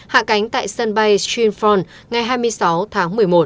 hạ cánh tại sân bay streamphon ngày hai mươi sáu tháng một mươi một